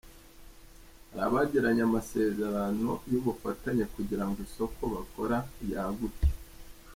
Hari abagiranye amasezerano y’ubufatanye kugira ngo isoko bakora ryaguke.